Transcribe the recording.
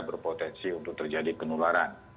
berpotensi untuk terjadi penularan